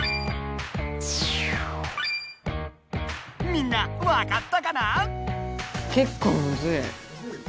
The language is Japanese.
みんなわかったかな？